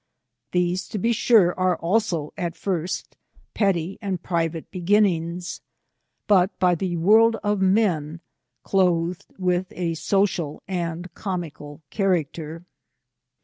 These, to be sure, are also, at first, petty and private beginnings, but, by the world of men, clothed with a social and cos mical character.